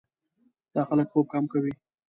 دا خلک خوب کم کوي.